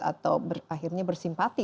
atau akhirnya bersimpati